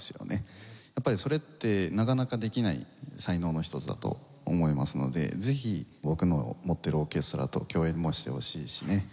やっぱりそれってなかなかできない才能の一つだと思いますのでぜひ僕の持ってるオーケストラと共演もしてほしいしね